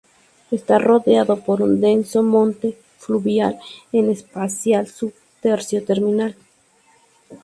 Está rodeado por un denso monte fluvial, en especial su tercio terminal.